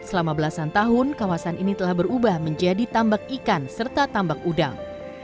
selama belasan tahun kawasan ini telah berubah menjadi tambak ikan serta tambak udang